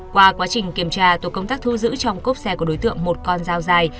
qua quá trình kiểm tra tổ công tác thu giữ trong cốp xe của đối tượng một con dao dài